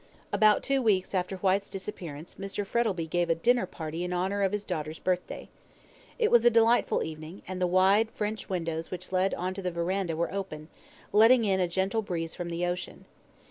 About two weeks after Whyte's disappearance Mr. Frettlby gave a dinner party in honour of his daughter's birthday. It was a delightful evening, and the wide French windows which led on to the verandah were open, letting in a gentle breeze from the ocean.